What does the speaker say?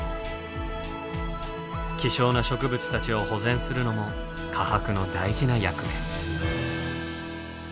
希少な植物たちを保全するのも科博の大事な役目。